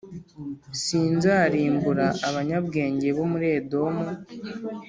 sinzarimbura abanyabwenge bo muri Edomu